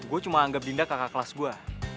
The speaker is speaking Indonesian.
gue cuma anggap dinda kakak kelas gue